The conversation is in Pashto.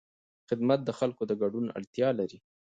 خدمت د خلکو د ګډون اړتیا لري.